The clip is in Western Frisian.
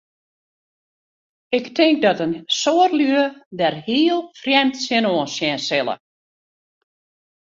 Ik tink dat in soad lju dêr heel frjemd tsjinoan sjen sille.